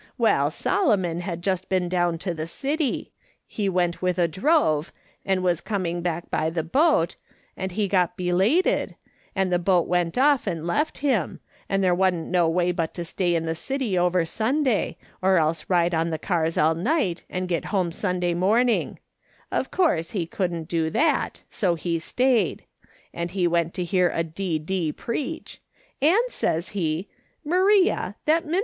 Well, Solomon had just been down to the city ; he went with a drove, and was coming bactk by the boat, and he got belated, and the boat went off and left him, and there wa'n't no way but to stay in the city over Sunday, or else ride on the cars all night and get home Sunday morning ; of course he couldn't do that, so he stayed ; and he 1^8 A/A'S. SULOMON SMITH LOOKING ON. ^vont to hear a I). D. preacli, ami, says lie, ' Maria, tliat iniui.